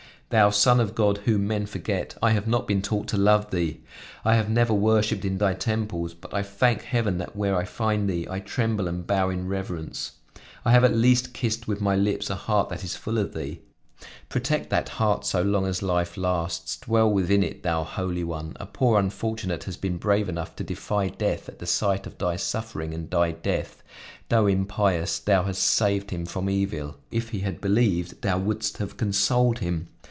Thou Son of God, whom men forget, I have not been taught to love Thee. I have never worshiped in Thy temples, but I thank heaven that where I find Thee, I tremble and bow in reverence. I have at least kissed with my lips a heart that is full of Thee. Protect that heart so long as life lasts; dwell within it, Thou Holy One; a poor unfortunate has been brave enough to defy death at the sight of Thy suffering and Thy death; though impious, Thou hast saved him from evil; if he had believed, Thou wouldst have consoled him.